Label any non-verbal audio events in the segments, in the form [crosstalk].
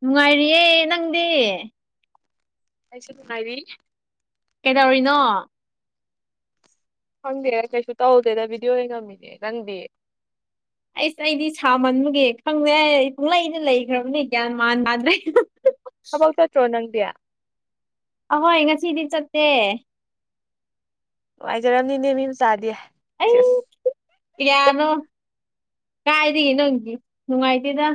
ꯅꯨꯡꯉꯥꯏꯔꯤꯌꯦ ꯅꯪꯗꯤ ꯑꯩꯁꯨ ꯅꯨꯡꯉꯥꯏꯔꯤ ꯀꯩꯗꯧꯔꯤꯅꯣ ꯈꯪꯗꯦ ꯀꯩꯁꯨ ꯇꯧꯗꯦꯗ ꯕꯤꯗꯤꯑꯣ ꯌꯦꯡꯉꯝꯃꯤꯅꯦ ꯅꯪꯗꯤ ꯑꯩꯁ ꯑꯩꯗꯤ ꯁꯥꯃꯟꯕꯒꯤ ꯈꯪꯗꯦ ꯑꯩ ꯄꯨꯡꯂꯩꯩ ꯂꯩꯈ꯭ꯔꯕꯅꯦ ꯒ꯭ꯌꯥꯟ ꯃꯥꯟ ꯇꯥꯗ꯭ꯔꯦ ꯊꯕꯛ ꯆꯠꯇ꯭ꯔꯣ ꯅꯪꯗꯤ ꯑꯍꯣꯏ ꯉꯁꯤꯗꯤ ꯆꯠꯇꯦ ꯅꯨꯡꯉꯥꯏꯖꯔꯝꯅꯤꯅꯦ ꯃꯤ ꯃꯆꯥꯗꯤ ꯑꯩ ꯁꯤꯁ ꯀꯤꯌꯥꯅꯣ ꯀꯥꯏꯗꯒꯤ ꯅꯪꯗꯤ ꯅꯨꯉꯥꯏꯇꯦꯗ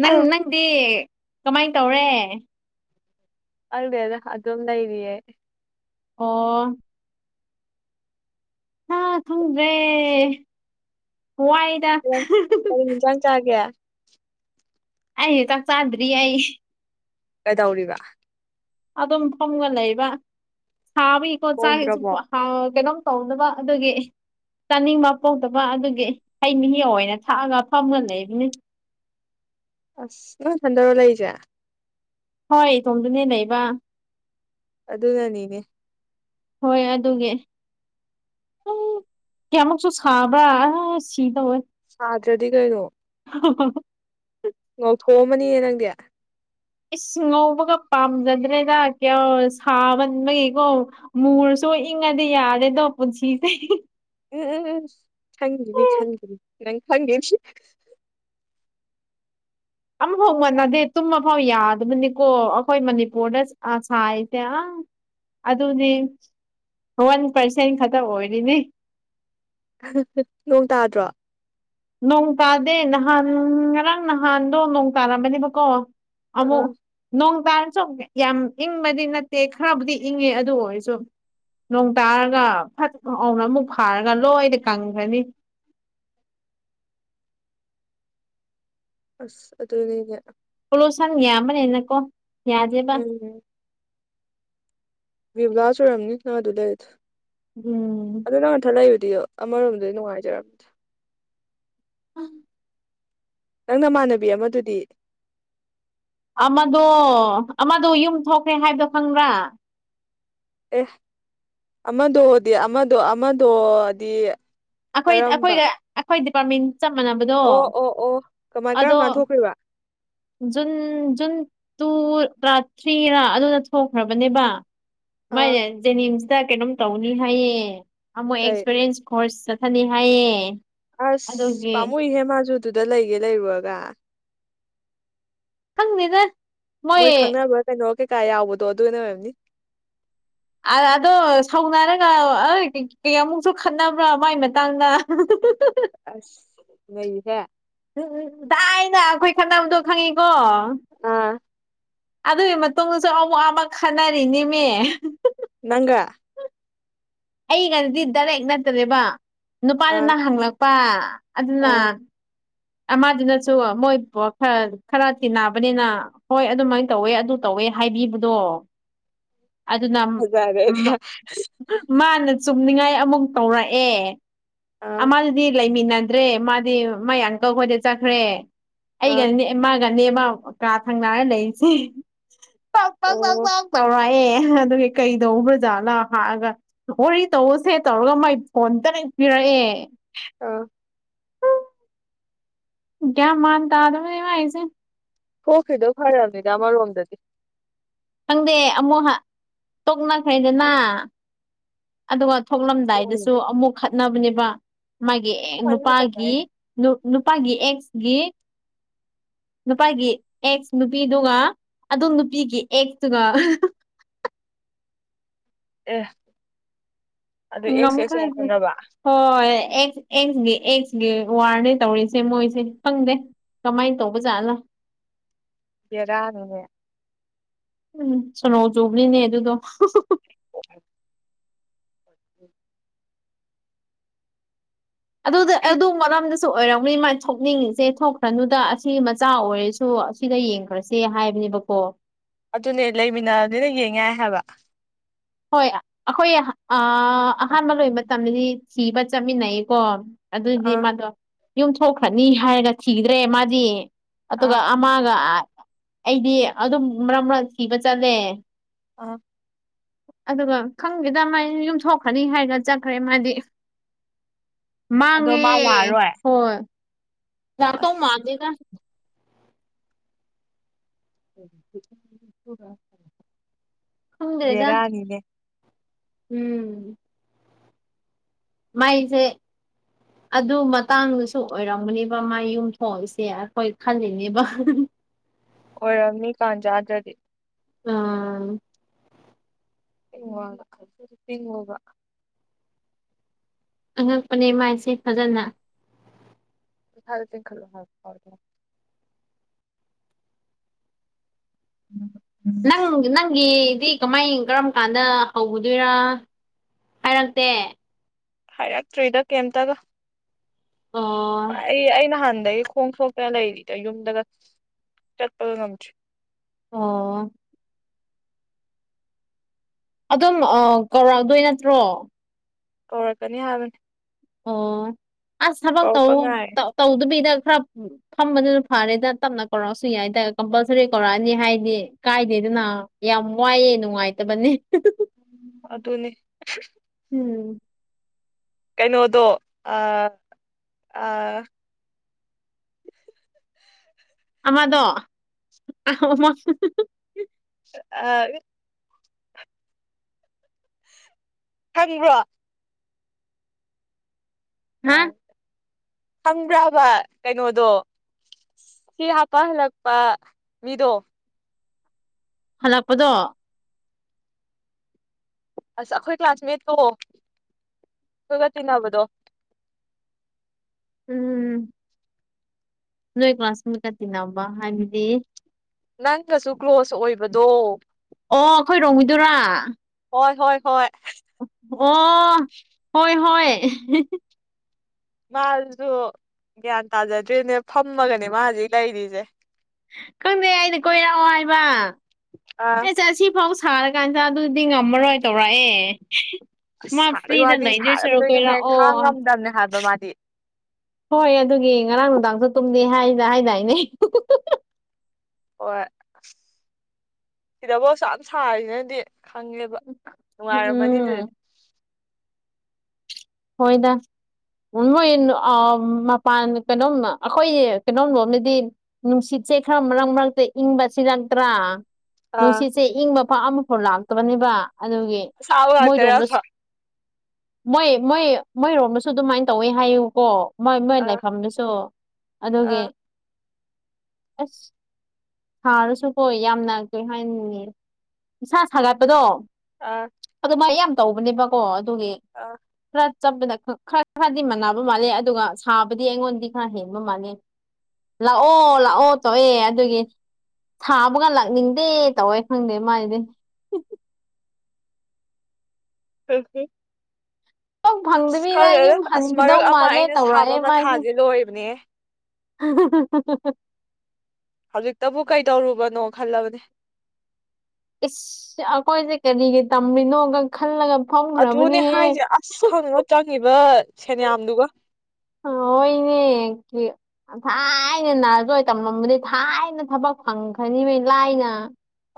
ꯅꯪ ꯅꯪꯗꯤ ꯀꯃꯥꯏꯅ ꯇꯧꯔꯦ ꯈꯪꯗꯦꯗ ꯑꯗꯨꯝ ꯂꯩꯔꯤꯌꯦ ꯑꯣ ꯍꯥꯥ ꯈꯡꯗ꯭ꯔꯦ ꯋꯥꯏꯗꯩ ꯍꯨ ꯍ ꯍꯨ ꯀꯔꯤ ꯏꯟꯖꯥꯡ ꯆꯥꯒꯦ ꯑꯩ ꯆꯥꯛ ꯆꯥꯗ꯭ꯔꯤ ꯑꯩ ꯀꯩꯗꯧꯔꯤꯕ ꯑꯗꯨꯝ ꯐꯝꯒ ꯂꯩꯕ ꯁꯥꯕꯒꯤꯀꯣ ꯊꯣꯡꯗ꯭ꯔꯕꯣ ꯆꯥꯍꯦꯁꯨꯞꯄ ꯀꯩꯅꯣꯝ ꯇꯧꯅꯕ ꯑꯗꯨꯒꯤ ꯆꯥꯅꯤꯡꯕ ꯄꯣꯛꯇꯕ ꯑꯗꯨꯒꯤ ꯍꯩ ꯃꯍꯤ ꯑꯣꯏꯅ ꯊꯛꯑꯒ ꯐꯝꯒ ꯂꯩꯕꯅꯤ ꯑꯁ ꯅꯪ ꯅꯊꯟꯗꯔꯣ ꯂꯩꯔꯤꯖꯦ ꯍꯣꯏ ꯏꯇꯣꯝꯗꯅꯦ ꯂꯩꯕ ꯑꯗꯨꯅꯅꯤꯅꯦ ꯍꯣꯏ ꯑꯗꯨꯒꯤ ꯎ ꯀꯌꯥꯃꯨꯛꯁꯨ ꯁꯥꯕ꯭ꯔꯥ ꯑꯁ ꯁꯤꯗꯧꯋꯦ ꯁꯥꯗ꯭ꯔꯗꯤ ꯀꯩꯅꯣ ꯍꯣ ꯍꯣꯍꯣ ꯊꯣꯝꯃꯅꯤꯌꯦ ꯅꯪꯗꯤ ꯏꯁ ꯉꯧꯕꯒ ꯄꯥꯝꯖꯗ꯭ꯔꯦꯗ ꯀꯌꯥ ꯁꯥꯕꯟꯕꯒꯤꯀꯣ ꯃꯨꯔꯁꯨ ꯇꯨ ꯏꯪꯉꯗꯤ ꯌꯥꯔꯦꯗꯣ ꯄꯨꯟꯁꯤꯁꯦ ꯎꯝ ꯎꯝ ꯎꯝ ꯈꯪꯒꯤꯅꯤ ꯈꯪꯒꯤꯅꯤ ꯅꯪ ꯈꯪꯒꯤꯅꯤ ꯑꯃꯐꯥꯎ ꯃꯅꯗꯦ ꯇꯨꯝꯃꯐꯥꯎ ꯌꯥꯗꯕꯅꯤꯀꯣ ꯑꯩꯈꯣꯏ ꯃꯅꯤꯄꯨꯔꯗ ꯑꯥ ꯁꯥꯏꯁꯦ ꯑꯪ ꯑꯗꯨꯅꯦ ꯋꯥꯟ ꯄꯥꯔꯁꯦꯟ ꯈꯛꯇ ꯑꯣꯏꯔꯤꯅꯤ ꯑꯍ ꯍ ꯅꯣꯡ ꯇꯥꯗ꯭ꯔꯣ ꯅꯣꯡ ꯇꯥꯗꯦ ꯅꯍꯥꯟ ꯉꯔꯥꯡ ꯅꯍꯥꯟꯗꯣ ꯅꯣꯡ ꯇꯥꯔꯝꯕꯅꯦꯕꯀꯣ ꯑꯃꯨꯛ ꯑꯥ ꯅꯣꯡ ꯇꯟꯥꯥꯥꯔꯁꯨ ꯌꯥꯝ ꯏꯪꯕꯗꯤ ꯅꯠꯇꯦ ꯈꯔꯕꯨꯗꯤ ꯏꯪꯉꯦ ꯑꯗꯨ ꯑꯣꯏꯔꯁꯨ ꯅꯣꯡ ꯇꯥꯔꯒ ꯐꯠ ꯑꯃꯨꯛ ꯐꯥꯔꯒ ꯂꯣꯏꯗꯥꯅ ꯀꯪꯈ꯭ꯔꯅꯤ [inaudible] ꯑꯁ ꯑꯗꯨꯅꯤꯅꯦ ꯄꯣꯂꯨꯁꯟ ꯌꯥꯝꯕꯅꯦꯅꯀꯣ ꯌꯥꯗꯦꯕ ꯎꯝ ꯕꯤꯕꯨꯂꯥꯥ ꯆꯨꯝꯔꯝꯅꯤ ꯅꯪ ꯑꯗꯨ ꯂꯩꯔꯤꯗꯣ ꯎꯝ ꯌ ꯑꯃꯔꯣꯝꯗ ꯅꯨꯡꯉꯥꯏꯖꯔꯝ ꯑꯥ ꯅꯪ ꯅꯃꯥꯟꯅꯕꯤ ꯑꯃꯗꯨꯗꯤ ꯑꯃꯗꯣ ꯑꯃꯗꯣ ꯌꯨꯝ ꯊꯣꯛꯈ꯭ꯔꯦ ꯍꯥꯏꯕꯗꯣ ꯈꯪꯕ꯭ꯔꯥ ꯑꯦ ꯑꯃꯗꯣꯗꯤ ꯑꯃꯗꯣ ꯑꯃꯗꯣꯗꯤ ꯑꯩꯈꯣꯏ ꯀꯔꯝꯕ ꯑꯩꯈꯣꯏꯒ ꯑꯩꯈꯣꯏ ꯗꯤꯄꯥꯔꯠꯃꯦꯟ ꯆꯞ ꯃꯥꯟꯅꯕꯗꯣ ꯑꯣ ꯑꯣ ꯑꯣ ꯀꯃꯥꯏ ꯀꯔꯝ ꯑꯗꯣ ꯀꯥꯟ ꯊꯣꯛꯈ꯭ꯔꯤꯕ ꯖꯨꯟ ꯖꯨꯟ ꯇꯨ ꯔꯥ ꯊ꯭ꯔꯤꯔꯥ ꯑꯗꯨꯗ ꯊꯣꯛꯈ꯭ꯔꯕꯅꯦꯕ ꯑꯥ ꯃꯥꯥꯏꯅꯦ ꯖꯦꯅꯤꯝꯁꯇ ꯀꯩꯅꯣꯝ ꯇꯧꯅꯤ ꯍꯥꯏꯌꯦ ꯑꯃꯨꯛ ꯀꯩ ꯑꯦꯛꯁꯄꯔꯤꯌꯦꯟꯁ ꯀꯣꯔꯁ ꯆꯠ ꯐꯅꯤ ꯍꯥꯏꯌꯦ ꯑꯁ ꯑꯗꯨꯒꯤ ꯄꯥꯝꯃꯨꯏꯍꯦ ꯃꯥꯁꯨ ꯑꯗꯨꯗ ꯂꯩꯒꯦ ꯂꯩꯔꯨꯔꯒ ꯈꯪꯗꯦꯗ ꯃꯣꯏ ꯈꯪꯅꯕ ꯀꯩꯅꯣ ꯀꯩꯀꯥ ꯌꯥꯎꯕꯗꯣ ꯑꯗꯨꯅ ꯑꯣꯏꯔꯝꯅꯤ ꯑ ꯑꯗꯣ ꯁꯥꯎꯅꯔꯒ ꯑꯩ ꯀꯌꯥꯃꯨꯛꯁꯨ ꯈꯠꯅꯕ꯭ꯔꯥ ꯃꯥꯏ ꯃꯇꯥꯡꯗ ꯑꯁ ꯅꯩꯍꯦ ꯎꯝ ꯎꯝ ꯗꯥꯥꯏꯅ ꯑꯩꯈꯣꯏ ꯈꯠꯅꯕꯗꯣ ꯈꯪꯉꯤꯀꯣ ꯑꯥ ꯑꯗꯨꯒꯤ ꯃꯇꯨꯡꯗꯁꯨ ꯑꯋꯥꯕ ꯈꯠꯅꯔꯤꯅꯦꯃꯦ ꯅꯪꯒꯥ ꯑꯩꯒꯗꯤ ꯗꯥꯔꯦꯛ ꯅꯠꯇ꯭ꯔꯦꯕ ꯑꯥ ꯅꯨꯄꯥꯗꯨꯅ ꯍꯪꯂꯛꯄ ꯑꯗꯨꯅ ꯑꯥ ꯑꯃꯗꯨꯅꯁꯨ ꯃꯣꯏ ꯕꯣ ꯈꯔ ꯈꯔ ꯇꯤꯟꯅꯕꯅꯤꯅ ꯍꯣꯏ ꯑꯗꯨꯃꯥꯏꯅ ꯇꯧꯋꯦ ꯑꯗꯨ ꯇꯧ ꯍꯣꯏ ꯍꯥꯏꯕꯤꯕꯗꯣ ꯥ [inaudible] ꯑꯗꯨꯅ ꯃꯥꯅ ꯆꯨꯝꯅꯤꯡꯉꯥꯏ ꯑꯃꯨꯛ ꯇꯧꯔꯛꯑꯦ ꯑꯥ ꯑꯃꯗꯨꯗꯤ ꯂꯩꯃꯤꯟꯅ ꯗ꯭ꯔꯦ ꯃꯗꯤ ꯃꯥꯢ ꯑꯪꯀꯜ ꯍꯣꯢꯗ ꯆꯠꯈ꯭ꯔ ꯑꯥ ꯑꯩꯒꯅꯦ ꯏꯝꯃꯒ ꯃꯤ ꯑꯃ ꯀꯥ ꯊꯪꯅꯔꯒ ꯂꯩꯔꯤꯁꯦ ꯇꯣꯛ ꯇꯣꯛ ꯗꯣꯛ ꯑꯣ ꯗꯣꯛ ꯇꯧꯔꯥꯏ ꯑꯦ ꯑꯗꯨꯒꯤ ꯀꯩꯗꯧꯒ꯭ꯔꯖꯥꯠꯂ ꯍꯥꯏꯔꯒ ꯋꯥꯔꯤ ꯇꯧꯁꯦ ꯇꯧꯔꯒ ꯃꯥꯏ ꯐꯣꯟ ꯇꯔꯦ ꯄꯤꯔꯛꯑꯦ ꯑꯥ ꯒ꯭ꯌꯥꯟ ꯃꯥꯟ ꯇꯥꯗꯕꯅꯦ ꯃꯥꯏꯁꯦ ꯊꯣꯛꯈ꯭ꯔꯤꯗꯣ ꯐꯔꯕꯅꯤꯗ ꯑꯃꯔꯣꯝꯗꯗꯤ ꯈꯪꯗꯦ ꯑꯃꯨꯛ ꯇꯣꯛꯅꯈ꯭ꯔꯦꯗꯅ ꯑꯗꯨꯒ ꯊꯣꯛꯑꯣꯏꯅꯦ ꯊꯣꯛꯂꯝꯗꯥꯏꯗꯁꯨ ꯑꯃꯨꯛ ꯈꯠꯅꯕꯅꯦꯕ ꯃꯥꯒꯤ ꯑꯦꯛ ꯀꯃꯥꯏꯅ ꯇꯧꯕ ꯅꯨꯄꯥꯒꯤ ꯍꯥꯏꯅꯣ ꯅꯨꯄꯥꯒꯤ ꯑꯦꯛꯁꯒꯤ ꯅꯨꯄꯥꯒꯤ ꯑꯦꯛꯁ ꯅꯨꯄꯤꯗꯨꯒ ꯑꯗꯨꯝ ꯅꯨꯄꯤꯒꯤ ꯑꯦꯛꯁꯇꯨꯒ [unintelligible] [inaudible] ꯑꯦ ꯑꯗꯨ ꯑꯦꯛꯁ ꯑꯦꯛꯁ ꯑꯃꯨꯛ ꯉꯝꯈ꯭ꯔꯦꯗꯨ ꯈꯪꯅꯕ ꯍꯣꯏ ꯑꯦꯛꯁ ꯑꯦꯛꯁꯒꯤ ꯑꯦꯛꯁꯒꯤ ꯋꯥꯔꯅꯦ ꯇꯧꯔꯤꯁꯦ ꯃꯣꯏꯁꯦ ꯈꯪꯗꯦ ꯀꯃꯥꯏꯟ ꯇꯧꯕꯖꯥꯠꯂ ꯕꯦꯔꯥꯅꯤꯍꯦ ꯎꯝ ꯁꯣꯅꯣ ꯆꯨꯕꯅꯤꯅꯦ ꯑꯗꯨꯗꯣ [unintelligible] ꯑꯗꯨꯗ ꯑꯦꯗꯨ ꯃꯔꯝ ꯁꯨꯨ ꯑꯣꯏꯔꯝꯒꯅꯤ ꯃꯥꯏ ꯊꯣꯛꯅꯤꯡꯉꯤꯁꯦ ꯊꯣꯛꯈ꯭ꯔꯅꯨꯗ ꯑꯁꯤ ꯃꯆꯥ ꯑꯣꯏꯔꯁꯨ ꯑꯁꯤꯗ ꯌꯦꯡꯈ꯭ꯔꯁꯦ ꯍꯥꯏꯕꯅꯤ ꯅꯦꯕꯀꯣ ꯑꯗꯨꯅꯦ ꯂꯩꯃꯤꯟꯅꯔꯗꯤ ꯌꯦꯡ ꯌꯥꯢ ꯍꯥꯏꯕ ꯍꯣꯏ ꯑꯈꯣꯏ ꯑꯥ ꯑꯍꯥꯟꯕ ꯂꯣꯏꯕ ꯇꯝꯗꯗꯤ ꯊꯤꯕ ꯆꯠꯃꯤꯟꯅꯩꯌꯦꯀꯣ ꯑꯗꯨꯗꯤ ꯑꯥ ꯃꯥꯗꯣ ꯌꯨꯝꯊꯣꯛꯈ꯭ꯔꯅꯤ ꯍꯥꯏꯔꯒ ꯊꯤꯗ꯭ꯔꯦ ꯃꯥꯗꯤ ꯑꯥ ꯑꯗꯨꯒ ꯑꯃꯒ ꯑꯥ ꯑꯩꯗꯤ ꯑꯗꯨꯝ ꯃꯔꯛ ꯃꯔꯛ ꯊꯤꯕ ꯆꯠꯂꯦ ꯑ ꯑꯗꯨꯒ ꯈꯪꯗꯦꯗ ꯃꯥꯏꯟ ꯌꯨꯝꯊꯣꯛꯈ꯭ꯔꯅꯤ ꯍꯥꯏꯔꯒ ꯆꯠꯈ꯭ꯔꯦ ꯃꯥꯗꯤ ꯑꯗꯣ ꯃꯥꯡꯉꯦ ꯃꯥ ꯂꯥꯛꯑꯔꯣꯏ ꯍꯣꯏ ꯂꯥꯛꯇꯧ ꯑꯁ ꯃꯥꯥꯟꯗꯦꯗ [unintelligible] ꯈꯪꯗ꯭ꯔꯦꯗ ꯕꯦꯔꯥꯅꯤꯅꯦ ꯎꯝ ꯃꯩꯁꯦ ꯑꯗꯨ ꯃꯇꯥꯡꯗꯨꯁꯨ ꯑꯣꯏꯔꯝꯒꯅꯤꯕ ꯃꯥꯢ ꯌꯨꯝ ꯊꯣꯛꯏꯁꯦ ꯑꯩꯈꯣꯏ ꯈꯜꯂꯤꯅꯦꯕ ꯑ ꯍ ꯍ ꯑꯣꯏꯔꯝꯅꯤ ꯀꯥꯟ ꯆꯥꯗ꯭ꯔꯗꯤ ꯑꯥ [unintelligible] ꯑꯉꯛꯄꯅꯦ ꯃꯥꯏꯁꯦ ꯐꯖꯅ [unintelligible] [inaudible] ꯅꯪ ꯅꯪꯒꯤ ꯗꯤ ꯀꯃꯥꯏ ꯀꯔꯝ ꯀꯥꯟꯗ ꯍꯧꯒꯗꯣꯏꯔ ꯍꯥꯏꯔꯛꯇꯦ ꯍꯥꯏꯔꯛꯇ꯭ꯔꯤꯗ ꯀꯩꯝꯇꯒ ꯑꯣ ꯑꯩ ꯑꯩ ꯅꯍꯥꯟ ꯗꯩ ꯈꯣꯡ ꯁꯣꯛꯇꯅ ꯂꯩꯔꯤꯗꯣ ꯌꯨꯝꯗꯒ ꯆꯠꯄꯒ ꯉꯝꯗ꯭ꯔꯤ ꯑꯣ ꯑꯗꯨꯝ ꯑꯥ ꯀꯧꯔꯥꯛꯗꯣꯏ ꯅꯠꯇ꯭ꯔꯣ ꯀꯧꯔꯛꯀꯅꯤ ꯍꯥꯏꯕꯅꯤ ꯑꯣ ꯑꯁ ꯊꯕꯛ ꯇꯧ ꯀꯧꯔꯛꯄ ꯉꯥꯏꯔꯦ ꯇ ꯇꯧꯗꯕꯤꯗ ꯈꯔ ꯐꯝꯕꯗꯨꯅ ꯐꯔꯦꯗ ꯇꯞꯅ ꯀꯧꯔꯛꯑꯁꯨ ꯌꯥꯏꯗ ꯀꯝꯄꯜꯁꯔꯤ ꯀꯧꯔꯛꯑꯅꯤ ꯍꯥꯏꯗꯤ ꯀꯥꯏꯗꯦ ꯗꯨꯅ ꯌꯥꯝ ꯋꯥꯏꯌꯦ ꯅꯨꯡꯉꯥꯏꯇꯕꯅꯦ ꯍ ꯍ ꯑꯗꯨꯅꯤ ꯎꯝ ꯀꯩꯅꯣꯗꯣ ꯑꯥ ꯑꯥ [inaudible] ꯑꯃꯗꯣ ꯑꯍ ꯃ ꯍꯤ ꯍꯤ ꯑꯥ ꯈꯪꯕ꯭ꯔꯣ ꯍꯥ ꯈꯪꯕ꯭ꯔꯕ ꯀꯩꯅꯣꯗꯣ ꯁꯤ ꯍꯥꯞꯄ ꯍꯜꯂꯛꯄ ꯃꯤꯗꯣ ꯍꯥꯜꯂꯛꯄꯗꯣ ꯑꯁ ꯑꯩꯈꯣꯏ ꯀ꯭ꯂꯥꯁꯃꯦꯠꯇꯣ ꯑꯩꯈꯣꯏꯒ ꯇꯤꯟꯅꯕꯗꯣ ꯎꯝ ꯅꯣꯏ ꯀ꯭ꯂꯥꯁꯃꯦꯠꯀ ꯇꯤꯟꯅꯕ ꯍꯥꯏꯕꯗꯤ ꯅꯪꯒꯁꯨ ꯀ꯭ꯂꯣꯁ ꯑꯣꯏꯕꯗꯣ ꯑꯣ ꯑꯩꯈꯣꯏ ꯔꯣꯝꯒꯤꯗꯨꯔꯥ ꯍꯣꯏ ꯍꯣꯏ ꯍꯣꯏ ꯑꯣ ꯍꯣꯏ ꯍꯣꯏ ꯃꯥꯖꯨ ꯒ꯭ꯌꯥꯟ ꯇꯥꯖꯗ꯭ꯔꯤꯅꯦ ꯐꯝꯃꯒꯅꯦ ꯃꯥ ꯍꯧꯖꯤꯛ ꯂꯩꯔꯤꯁꯦ ꯈꯪꯗꯦ ꯑꯩꯅ ꯀꯣꯏꯔꯛꯑꯣ ꯍꯥꯏꯕ ꯑꯥ ꯑꯩ ꯆꯠꯁꯤ ꯐꯥꯎ ꯁꯥꯔꯀꯥꯟꯗꯥ ꯑꯗꯨꯗꯤ ꯉꯝꯃꯔꯣꯏ ꯇꯧꯔꯛꯑꯦ ꯑꯁ ꯃꯥ ꯁꯥꯕꯒꯤ ꯐ꯭ꯔꯤꯗ ꯋꯥꯗꯤ ꯂꯩꯗꯣꯏ ꯁꯔꯨꯛ ꯁꯥꯔꯝꯗꯣꯏꯅꯦꯍꯦ ꯀꯣꯏꯔꯛꯑꯣ ꯈꯥꯡ ꯉꯝꯗꯕꯅꯦ ꯍꯥꯏꯕ ꯃꯥꯗꯤ ꯍꯣꯏ ꯑꯗꯨꯒꯤ ꯉꯔꯥꯡ ꯅꯨꯡꯗꯥꯡꯁꯨ ꯇꯨꯝꯗꯦ ꯍꯥꯏꯅ ꯍꯥꯏꯗꯥꯏꯅꯦ ꯎ ꯍꯥꯥꯥ ꯍ ꯍꯥ ꯍꯥ ꯍꯣꯏ ꯁꯤꯗꯕꯨ ꯑꯁꯨꯛꯌꯥꯝ ꯁꯥꯔꯤꯖꯤꯅꯗꯤ ꯈꯪꯉꯦꯕ ꯅꯨꯡꯉꯥꯏꯔꯝꯃꯅꯤ ꯎꯝ ꯑꯗꯨꯗꯗꯤ ꯍꯣꯏꯗ ꯃꯣꯏ ꯑꯥ ꯃꯄꯥꯟ ꯀꯩꯅꯣꯝ ꯑꯩꯈꯣꯏ ꯀꯩꯅꯣꯝ ꯅꯣꯝꯃꯗꯤ ꯅꯨꯡꯁꯤꯠ ꯁꯦ ꯈꯔ ꯃꯔꯛ ꯃꯔꯛꯇ ꯏꯪꯕ ꯁꯤꯂꯛꯇ꯭ꯔꯥ ꯑꯥ ꯅꯨꯡꯁꯤꯠꯁꯦ ꯏꯪꯕ ꯄꯥꯛ ꯑꯃꯐꯥꯎ ꯂꯥꯛꯇꯕꯅꯦꯕ ꯑꯗꯨꯒꯤ ꯑꯁꯥꯕ ꯃꯣꯏꯗꯣꯝꯗ ꯉꯥꯛꯇꯔꯕ ꯃꯣꯏ ꯃꯣꯏ ꯃꯣꯏꯔꯣꯝꯗꯁꯨ ꯑꯗꯨꯃꯥꯏꯅ ꯇꯧꯋꯦ ꯍꯥꯏꯌꯦꯕꯀꯣ ꯃꯣꯏ ꯃꯣꯏ ꯑꯥ ꯂꯩꯐꯝꯗꯨꯁꯨ ꯑꯗꯨꯒꯤ ꯑꯥ ꯑꯁ ꯁꯥꯔꯁꯨꯀꯣ ꯌꯥꯝꯅ ꯀꯩ ꯍꯥꯏꯅꯤ ꯏꯁꯥ ꯁꯥꯒꯠꯄꯗꯣ ꯑꯥ ꯑꯗꯨ ꯃꯥꯏ ꯌꯥꯝ ꯇꯧꯕꯅꯦꯕꯀꯣ ꯑꯗꯨꯒꯤ ꯑꯥ [unintelligible] ꯈꯔ ꯈꯔꯗꯤ ꯃꯥꯟꯅꯕ ꯃꯥꯜꯂꯦ ꯑꯗꯨꯒ ꯁꯥꯕꯗꯤ ꯑꯩꯉꯣꯟꯗꯤ ꯈꯔ ꯍꯦꯟꯕ ꯃꯥꯜꯂꯦ ꯂꯥꯛꯑꯣ ꯂꯥꯛꯑꯣ ꯇꯧꯑꯦ ꯑꯗꯨꯒꯤ ꯊꯥꯕꯒ ꯂꯥꯛꯅꯤꯡꯗꯦ ꯇꯧꯋꯦ ꯈꯪꯗꯦ ꯃꯥꯒꯤꯗꯤ [unintelligible] ꯊꯕꯛ ꯑꯁ ꯐꯪꯗꯕꯤꯗ ꯈꯪꯗꯦꯗ ꯌꯨꯝ ꯑꯁ ꯍꯟꯈꯤꯗꯧ ꯃꯔꯛ ꯑꯃ ꯃꯥꯜꯂꯦ ꯑꯩꯅ ꯁꯥꯕ ꯃꯊꯥꯁꯦ ꯂꯣꯏꯕꯅꯦꯍꯦ ꯍꯥ ꯍꯥ ꯍꯥꯍꯥ ꯍꯥ ꯍꯥ ꯍꯧꯖꯤꯛꯇꯕꯨ ꯀꯩꯇꯧꯔꯨꯕꯅꯣ ꯈꯜꯂꯕꯅꯦ ꯏꯁ ꯑꯩꯈꯣꯏꯁꯦ ꯀꯔꯤꯒꯤ ꯇꯝꯔꯤꯅꯣꯒ ꯈꯜꯂꯒ ꯑꯗꯨꯅꯦ ꯐꯝꯈ꯭ꯔꯕꯅꯤꯍꯦ ꯍꯥꯏꯁꯦ ꯑꯁ ꯈꯪꯗꯦꯗ ꯆꯪꯉꯤꯕ ꯁꯦꯟꯌꯥꯝꯗꯨꯒ [unintelligible] ꯊꯥꯏꯅ ꯅꯥꯔꯖꯣꯏ ꯇꯝꯂꯝꯕꯗꯤ ꯊꯥꯏꯅ ꯊꯕꯛ ꯐꯪꯈ꯭ꯔꯅꯤ ꯃꯤ ꯂꯥꯏꯅ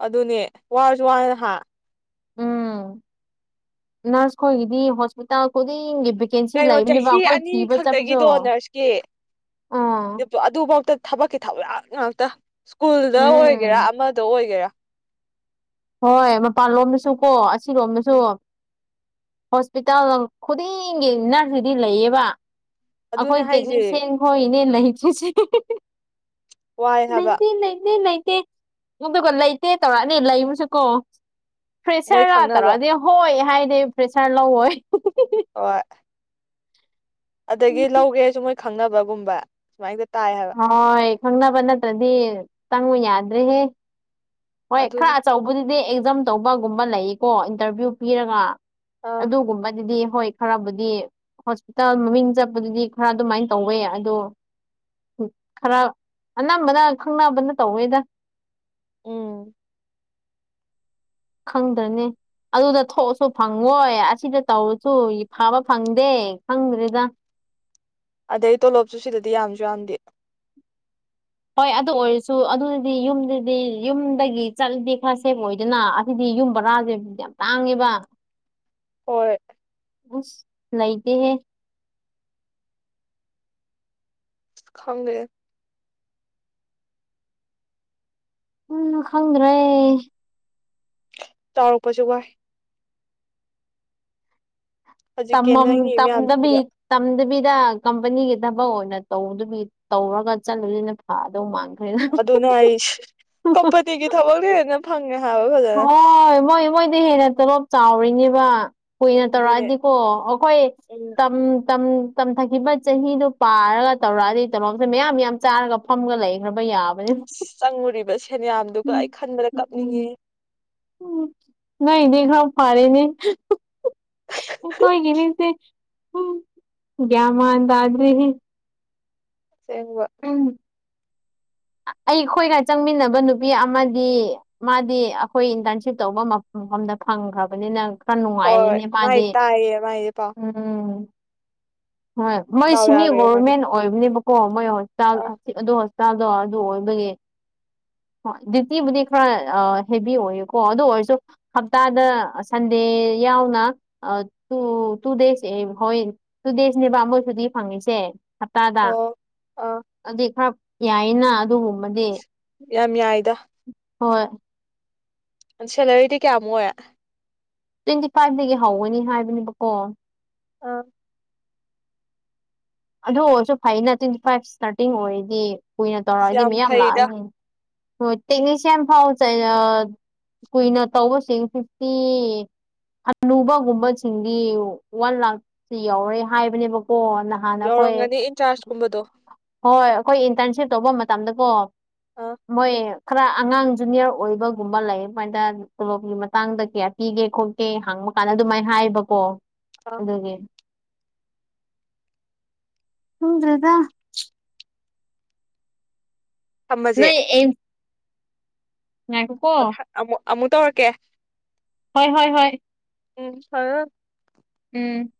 ꯑꯗꯨꯅꯦ ꯋꯥꯔꯁꯨ ꯋꯥꯅ ꯍꯥ ꯎꯝ ꯅꯔꯁ ꯈꯣꯏꯒꯤꯗꯤ ꯍꯣꯁꯄꯤꯇꯥꯜ ꯈꯨꯗꯤꯡꯒꯤ ꯚꯦꯀꯦꯟꯁꯤ ꯀꯩꯅꯣ ꯂꯩꯕꯅꯦꯕ ꯆꯍꯤ ꯑꯩꯈꯣꯏ ꯊꯤꯕ ꯆꯠꯄꯁꯨ ꯑꯥ ꯗꯨꯄꯥ ꯑꯗꯨꯐꯥꯎꯗ ꯊꯕꯛꯀꯤ ꯊꯕꯛ ꯉꯥꯛꯇ ꯁ꯭ꯀꯨꯜꯗ ꯎꯝ ꯑꯣꯏꯒꯦꯔꯥ ꯑꯃꯗ ꯑꯣꯏꯒꯦꯔꯥ ꯍꯣꯏ ꯃꯄꯥꯟ ꯂꯣꯝꯗꯁꯨ ꯀꯣ ꯑꯁꯤꯔꯣꯝꯗꯁꯨ ꯎꯝ ꯍꯣꯁꯄꯤꯇꯥꯜ ꯈꯨꯗꯤꯡꯒꯤ ꯅꯔꯁꯁꯤꯗꯤ ꯂꯩꯌꯦꯕ ꯑꯗꯨꯅꯦ ꯑꯩꯈꯣꯏ ꯍꯥꯏꯁꯦ ꯇꯦꯛꯅꯤꯁꯤꯌꯥꯟ ꯍꯣꯏꯅꯦ ꯂꯩꯇ꯭ꯔꯤꯁꯦ ꯋꯥꯏ ꯍꯥꯏꯕ ꯂꯩꯇꯦ ꯂꯩꯇꯦ ꯂꯩꯇꯦ ꯑꯗꯨꯒ ꯂꯩꯇꯦ ꯇꯧꯔꯛꯑꯅꯤ ꯂꯩꯕꯁꯨꯀꯣ ꯐ꯭ꯔꯦꯁꯔ ꯃꯣꯏ ꯔꯥ ꯈꯪꯅꯕ ꯇꯧꯔꯛꯑꯗꯤ ꯍꯣꯏ ꯍꯥꯏꯗꯤ ꯐ꯭ꯔꯦꯁꯔ ꯂꯧꯑꯣꯏ ꯍꯣꯏ ꯑꯗꯒꯤ ꯂꯧꯒꯦꯁꯨ ꯃꯣꯏ ꯈꯪꯅꯕꯒꯨꯝꯕ ꯁꯨꯃꯥꯏꯅ ꯇꯥꯏ ꯍꯥꯏꯕ ꯍꯣꯏ ꯈꯪꯅꯕ ꯅꯠꯇ꯭ꯔꯗꯤ ꯆꯪꯉꯨ ꯌꯥꯗ꯭ꯔꯦꯍꯦ ꯍꯣꯏ ꯈꯔ ꯑꯗꯨꯅꯤ ꯑꯆꯧꯕꯗꯨꯗꯤ ꯑꯦꯛꯖꯥꯝ ꯇꯧꯕꯒꯨꯝꯕ ꯂꯩꯀꯣ ꯏꯟꯇꯔꯚꯤꯌꯨ ꯄꯤꯔꯒ ꯑꯥ ꯑꯗꯨꯒꯨꯝꯕꯗꯨꯗꯤ ꯍꯣꯏ ꯈꯔꯕꯨꯗꯤ ꯍꯣꯁꯄꯤꯇꯥꯜ ꯃꯃꯤꯡ ꯆꯠꯄꯗꯨꯗꯤ ꯈꯔ ꯑꯗꯨꯃꯥꯏꯅ ꯇꯧꯋꯦ ꯑꯗꯣ ꯈꯔ ꯑꯅꯝꯕꯅ ꯈꯪꯅꯕꯅ ꯇꯧꯋꯦꯗ ꯎꯝ ꯈꯪꯗ꯭ꯔꯅꯦ ꯑꯗꯨꯗ ꯊꯣꯛꯑꯁꯨ ꯐꯪꯉꯣꯏ ꯑꯁꯤꯗ ꯇꯧꯔꯁꯨ ꯐꯕ ꯐꯪꯗꯦ ꯈꯪꯗ꯭ꯔꯦꯗ ꯑꯗꯩ ꯇꯣꯂꯣꯞꯁꯨ ꯁꯤꯗꯗꯤ ꯌꯥꯝꯖꯨ ꯌꯥꯝꯗꯦ ꯍꯣꯏ ꯑꯗꯨ ꯑꯣꯏꯔꯁꯨ ꯑꯗꯨꯗꯤ ꯌꯨꯝꯗꯗꯤ ꯌꯨꯝꯗꯒꯤ ꯆꯠꯂꯗꯤ ꯈꯔ ꯁꯦꯐ ꯑꯣꯏꯗꯅ ꯑꯁꯤꯗꯤ ꯌꯨꯝ ꯕꯔꯥꯖꯦ ꯌꯥꯝ ꯇꯥꯡꯉꯦꯕ ꯍꯣꯏ ꯑꯁ ꯂꯩꯇꯦꯍꯦ ꯈꯪꯗꯦ ꯎꯝ ꯈꯪꯗ꯭ꯔꯦ ꯆꯥꯎꯔꯛꯄꯁꯦ ꯋꯥꯏ ꯍꯧꯖꯤꯛ ꯇꯝꯃꯝ ꯀꯦꯟꯅꯔꯤ ꯃꯌꯥꯝ ꯇꯝꯗꯕꯤ ꯇꯝꯗꯕꯤ ꯁꯤꯗ ꯀꯝꯄꯅꯤꯒꯤ ꯊꯕꯛ ꯑꯣꯏꯅ ꯇꯧꯗꯨꯒꯤ ꯇꯧꯔꯒ ꯆꯠꯂꯨꯁꯤꯅ ꯐꯥꯗꯧ ꯃꯥꯜ ꯑꯗꯨꯅꯦ ꯍꯥꯢꯁ ꯀꯝꯄꯅꯤꯒꯤ ꯊꯕꯛꯅ ꯍꯦꯟꯅ ꯐꯪꯉꯦ ꯍꯥꯏꯕ ꯐꯖꯅ ꯍꯣꯏ ꯃꯣꯏ ꯃꯣꯏꯗꯤ ꯍꯦꯟꯅ ꯇꯣꯂꯣꯞ ꯆꯥꯎꯔꯤꯅꯦꯕ ꯀꯨꯏꯅ ꯑꯗꯨꯅꯦ ꯇꯧꯔꯛꯑꯗꯤꯀꯣ ꯑꯈꯣꯏ ꯎꯝ ꯇꯝ ꯇꯝ ꯇꯝꯊꯈꯤꯕ ꯆꯍꯤꯗꯣ ꯄꯥꯔꯒ ꯇꯧꯔꯛꯑꯗꯤ ꯇꯣꯂꯣꯞꯁꯦ ꯃꯌꯥꯝ ꯃꯌꯥꯝ ꯆꯥꯔꯒ ꯐꯝꯒ ꯂꯩꯒ꯭ꯔꯕ ꯆꯪꯉꯨꯔꯤꯕ ꯁꯦꯟꯌꯥꯝꯗꯨꯒ ꯎꯝ ꯑꯩ ꯈꯟꯕꯗ ꯎꯝ ꯎꯝ ꯀꯞꯅꯤꯡꯉꯦꯍꯦ ꯎꯝ ꯅꯣꯢꯒꯤꯗꯤ ꯈꯔꯕꯨ ꯐꯥꯔꯤꯅꯦ ꯍꯨ ꯍꯨ ꯑꯩꯈꯣꯢꯒꯤꯅꯤꯁꯦ ꯎꯝ ꯒ꯭ꯌꯥꯟ ꯃꯥꯟ ꯇꯗ꯭ꯔꯤꯍꯤ ꯁꯦꯡꯕ [inaudible] ꯑꯩꯈꯣꯏꯒ ꯆꯪꯃꯤꯟꯅꯕ ꯅꯨꯄꯤ ꯑꯃꯗꯤ ꯃꯥꯗꯤ ꯑꯩꯈꯣꯏ ꯏꯟꯇꯔꯟꯁꯤꯞ ꯇꯧꯕ ꯃ ꯃꯐꯝꯗ ꯐꯪ ꯐꯪꯈ꯭ꯔꯕꯅꯤꯅ ꯈꯔ ꯍꯣꯏ ꯅꯨꯡꯉꯥꯏꯔꯤꯅꯦ ꯃꯥꯏ ꯃꯥꯗꯤ ꯇꯥꯏꯌꯦ ꯃꯥꯏꯁꯦ ꯄꯥꯎ ꯎꯝ ꯍꯣꯏ ꯃꯣꯏ ꯗꯥꯎ ꯁꯤꯃꯤ ꯌꯥꯈ꯭ꯔꯦ ꯃꯥꯗꯤ ꯒꯣꯕꯔꯃꯦꯟ ꯑꯣꯏꯕꯅꯦꯕꯀꯣ ꯃꯣꯏ ꯍꯣꯁꯄꯤꯇꯥꯜ ꯑꯥ ꯑꯗꯨ ꯍꯣꯁꯄꯤꯇꯥꯜꯗꯣ ꯗꯨ ꯑꯣꯏꯕꯒꯤ ꯍꯣꯢ ꯗ꯭ꯌꯨꯇꯤꯕꯨꯗꯤ ꯈꯔ ꯑꯥ ꯍꯦꯚꯤ ꯑꯣꯏꯌꯦꯀꯣ ꯑꯗꯨ ꯑꯣꯏꯔꯁꯨ ꯍꯞꯇꯥꯗ ꯑꯥ ꯁꯟꯗꯦ ꯇꯤ ꯌꯥꯎꯅ ꯑꯥ ꯇꯨ ꯇꯨ ꯗꯦꯁ ꯑꯦꯝ ꯍꯣꯏ ꯇꯨ ꯗꯦꯁꯅꯦꯕ ꯃꯣꯏ ꯁꯨꯇꯤ ꯐꯪꯉ ꯁꯦ ꯍꯞꯇꯥꯗ ꯑꯣ ꯑꯥ ꯑꯗꯨ ꯈꯔ ꯌꯥꯏꯅ ꯑꯗꯨꯒꯨ ꯌꯥꯝ ꯌꯥꯏꯗ ꯍꯣꯏ ꯁꯦꯂꯔꯤꯗꯤ ꯀꯌꯥꯃꯨꯛ ꯑꯣꯢ ꯇ꯭ꯋꯦꯟꯇꯤ ꯐꯥꯏꯐꯗꯒꯤ ꯍꯧꯒꯅꯤ ꯍꯥꯏꯕꯅꯦꯕꯀꯣ ꯑꯥ ꯑꯗꯨ ꯑꯣꯏꯔꯁꯨ ꯐꯩꯅ ꯇ꯭ꯋꯦꯟꯇꯤ ꯐꯥꯏꯚ ꯁ꯭ꯇꯥꯔꯇꯤꯡ ꯑꯣꯏꯔꯗꯤ ꯀꯨꯏꯅ ꯇꯧꯔꯛꯑꯗꯤ ꯌꯥꯝ ꯃꯌꯥꯝ ꯐꯩꯗ ꯂꯥꯛꯑꯅꯤ ꯍꯣꯢ ꯇꯦꯛꯅꯤꯁꯤꯌꯟ ꯐꯥꯎ ꯆꯩ ꯑꯥ ꯀꯨꯏꯅ ꯇꯧꯕꯁꯤꯡ ꯐꯤꯐꯇꯤ ꯍꯅꯨꯕꯒꯨꯝꯕꯁꯤꯡꯗꯤ ꯋꯥꯟ ꯂꯥꯛꯇꯤ ꯌꯧꯋꯦ ꯍꯥꯏꯕꯅꯦꯕꯀꯣ ꯅꯍꯥꯟ ꯑꯩꯈꯣꯏ ꯌꯧꯔꯝꯒꯅꯤ ꯏꯟꯆꯥꯔꯖ ꯀꯨꯝꯕꯗꯣ ꯍꯣꯏ ꯑꯩꯈꯣꯏ ꯏꯟꯇꯔꯟꯁꯤꯞ ꯇꯧꯕ ꯃꯇꯝꯗꯀꯣ ꯑꯥ ꯃꯣꯏ ꯈꯔ ꯑꯉꯥꯡ ꯖꯨꯅꯤꯌꯔ ꯑꯣꯏꯕꯒꯨꯝꯕ ꯂꯩ ꯃꯣꯏꯗ ꯇꯣꯂꯣꯞꯀꯤ ꯃꯇꯥꯡꯗ ꯀꯌꯥ ꯄꯤ ꯒꯦ ꯈꯣꯠꯀꯦ ꯍꯪꯕ ꯀꯥꯟꯗ ꯑꯗꯨꯃꯥꯏꯅ ꯍꯥꯏꯕꯀꯣ ꯑꯥ ꯑꯗꯨꯒꯤ ꯈꯪꯗ꯭ꯔꯦꯗ ꯊꯝꯃꯁꯦ ꯅꯣꯢ ꯑꯦꯝ ꯉꯥꯢꯈꯣꯀꯣ ꯃꯊꯪ ꯑꯃꯨꯛ ꯑꯃꯨꯛ ꯇꯧꯔꯛꯀꯦ ꯍꯣꯏ ꯍꯣꯏ ꯍꯣꯏ ꯎꯝ [unintelligible] ꯎꯝ